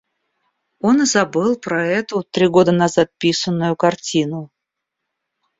Он и забыл про эту, три года назад писанную, картину.